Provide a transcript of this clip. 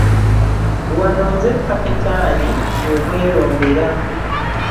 Wano nze Kapitaani gwe mwerondera.